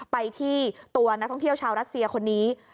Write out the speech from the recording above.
ไปที่ตัวนักท่องเที่ยวชาวรัสเซียคนนี้